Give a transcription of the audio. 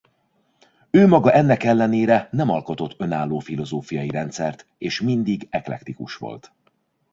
Ő maga ennek ellenére nem alkotott önálló filozófiai rendszert és mindig eklektikus volt.